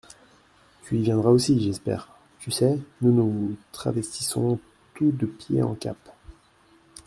Tu y viendras aussi, j'espère ? Tu sais, nous nous travestissons tous de pied en cap.